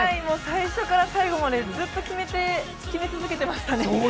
最初から最後までずっと決め続けてましたね。